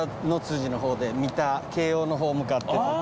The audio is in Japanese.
慶應の方向かっていくと。